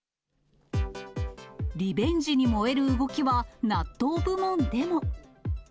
リベンジに燃える動きは、納豆部門でも。